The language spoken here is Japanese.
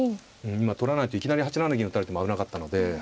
今取らないといきなり８七銀打たれても危なかったので。